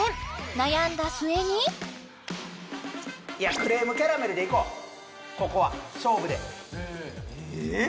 悩んだ末にいやクレームキャラメルでいこうここは勝負でえーっ？